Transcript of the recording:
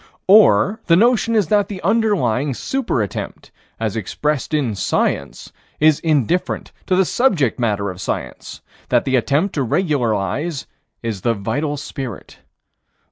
Or the notion is that the underlying super attempt, as expressed in Science, is indifferent to the subject matter of Science: that the attempt to regularize is the vital spirit.